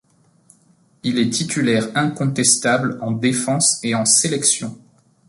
Il est titulaire incontestable en défense et en sélection.